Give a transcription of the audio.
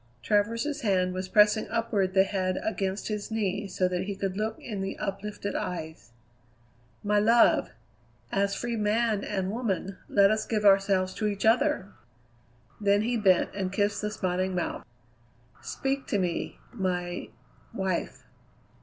Travers's hand was pressing upward the head against his knee so that he could look in the uplifted eyes. "My love! as free man and woman, let us give ourselves to each other!" Then he bent and kissed the smiling mouth. "Speak to me, my wife."